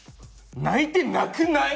泣いてなくない？